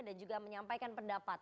dan juga menyampaikan pendapat